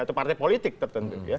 atau partai politik tertentu